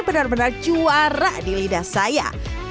benar benar juara di lidah saya